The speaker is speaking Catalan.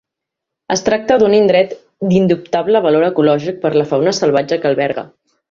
Es tracta d'un indret d'indubtable valor ecològic per la fauna salvatge que alberga.